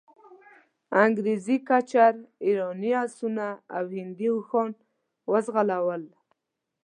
انګریزي کچر، ایراني آسونه او هندي اوښان وځغلول.